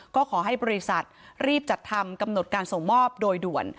ก็ขอให้บริษัทรีบจัดทำกำหนดการส่งมอบโดยด่วน